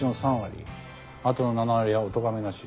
あとの７割はおとがめなし。